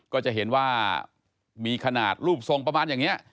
ก็จะเห็นว่ามีขนาดรูปทรงประมาณอย่างนี้